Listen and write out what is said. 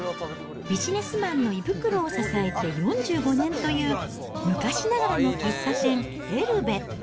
ビジネスマンの胃袋を支えて４５年という、昔ながらの喫茶店、エルベ。